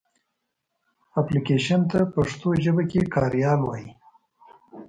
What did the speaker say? اپلکېشن ته پښتو ژبه کې کاریال وایې.